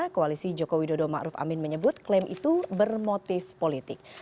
koalisi jokowi dodo ma'ruf amin menyebut klaim itu bermotif politik